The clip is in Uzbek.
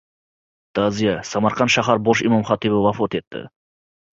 Ta’ziya: Samarqand shahar bosh imom-xatibi vafot etdi